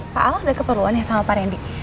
pak al udah keperluan ya sama pak rendy